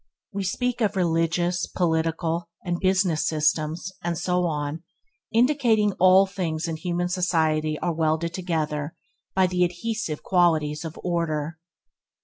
We speak of religious, political, and business systems; and so on, indicating that all things in human society are welded together by the adhesive qualities of order.